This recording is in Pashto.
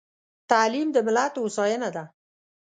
تعليم د ملت هوساينه ده.